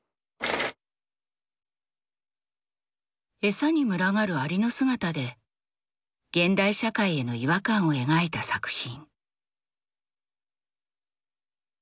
餌に群がる蟻の姿で現代社会への違和感を描いた作品。